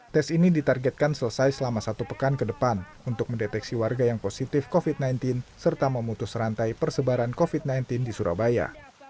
tes ini ditargetkan selesai selama satu pekan ke depan untuk mendeteksi warga yang positif covid sembilan belas serta memutus rantai persebaran covid sembilan belas di surabaya